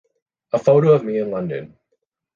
A photo of me in London!